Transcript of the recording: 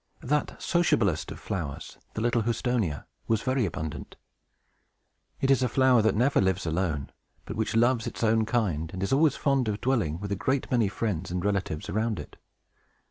That sociablest of flowers, the little Houstonia, was very abundant. It is a flower that never lives alone, but which loves its own kind, and is always fond of dwelling with a great many friends and relatives around it.